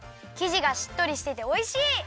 きじがしっとりしてておいしい！